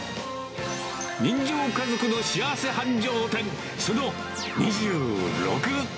人情家族の幸せ繁盛店、その２６。